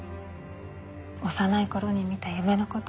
幼い頃に見た夢のこと。